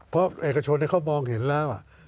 เพราะเอกชนเขามองเห็นแล้ว